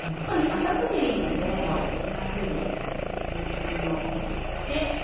浅くでいいのでこんなふうに切り込みを作って。